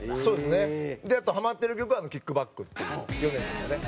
であとハマってる曲は『ＫＩＣＫＢＡＣＫ』っていう米津さんのね。